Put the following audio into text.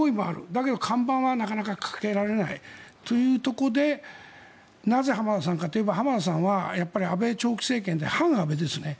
だけど看板はなかなかかけられないということでなぜ、浜田さんかと言えば浜田さんは安倍長期政権で反安倍ですね。